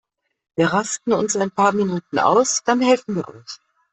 Wir rasten uns ein paar Minuten aus, dann helfen wir euch.